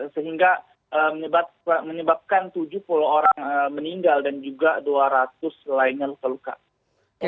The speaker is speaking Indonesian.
sehingga menyebabkan tujuh puluh orang meninggal dan juga dua ratus lainnya luka luka